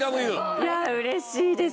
いや嬉しいです